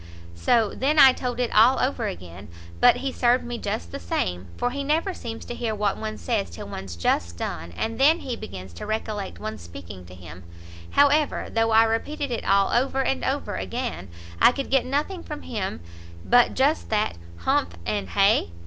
so then I told it all over again, but he served me just the same, for he never seems to hear what one says till one's just done, and then he begins to recollect one's speaking to him; however, though I repeated it all over and over again, I could get nothing from him but just that humph? and hay?